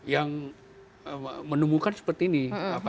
yang menemukan seperti ini